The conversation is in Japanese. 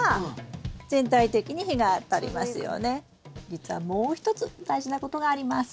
実はもう一つ大事なことがあります。